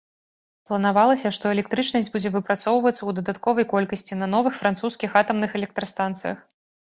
Планавалася, што электрычнасць будзе выпрацоўвацца ў дастатковай колькасці на новых французскіх атамных электрастанцыях.